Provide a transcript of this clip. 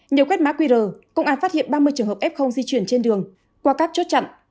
nhờ quét mã qr công an phát hiện ba mươi trường hợp f di chuyển trên đường qua các chốt chặn